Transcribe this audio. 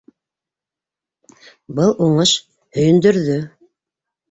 Был уңыш һөйөндөрҙө.